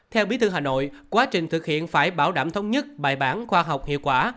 theo bí thư hà nội quá trình thực hiện phải bảo đảm thống nhất bài bản khoa học hiệu quả